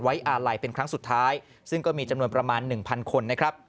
อาลัยเป็นครั้งสุดท้ายซึ่งก็มีจำนวนประมาณ๑๐๐คนนะครับ